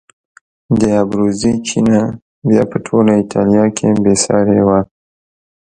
د ابروزي چینه بیا په ټوله ایټالیا کې بې سارې وه.